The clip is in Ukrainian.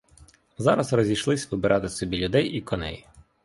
Зараз розійшлись вибирати собі людей і коней.